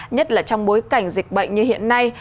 nhất là trong bối cảnh dịch bệnh như hiện nay